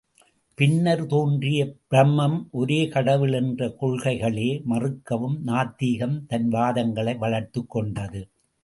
பின்னர் தோன்றிய பிரம்மம், ஒரே கடவுள் என்ற கொள்கைகளே மறுக்கவும் நாத்திகம் தன் வாதங்களை வளர்த்துக் கொண்டது.